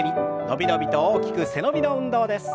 伸び伸びと大きく背伸びの運動です。